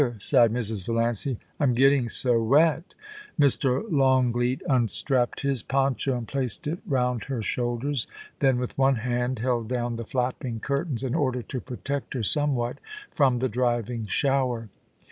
* sighed Mrs. Valiancy, * Tm getting so wet' Mr. Longleat unstrapped his poncho and placed it round her shoulders, then with one hand held down the flapping curtains in order to protect her somewhat from the driving shower.